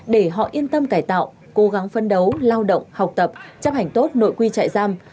để họ yên tâm cải tạo cố gắng phân đấu lao động học tập chấp hành tốt nội quy trại giam